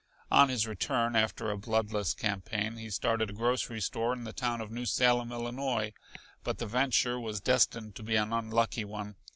On his return after a bloodless campaign, he started a grocery store in the town of New Salem, Illinois, but the venture was destined to be an unlucky one.